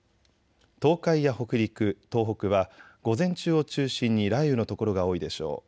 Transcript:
東海や北陸、東北は午前中を中心に雷雨の所が多いでしょう。